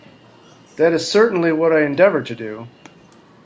That is certainly what I endeavour to do.